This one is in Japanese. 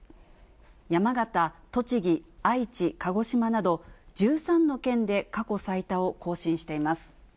山形、栃木、愛知、鹿児島など、１３の県で過去最多を更新しています。